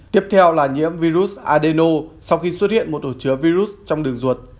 tiếp theo là nhiễm virus adeno sau khi xuất hiện một ổ chứa virus trong đường ruột